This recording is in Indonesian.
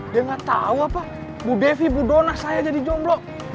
dia ga tau apa bu devi bu dona saya jadi jomblo